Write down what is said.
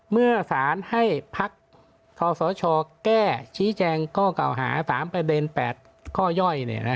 เมื่อสารให้พักทศชแก้ชี้แจงข้อเก่าหา๓ประเด็น๘ข้อย่อย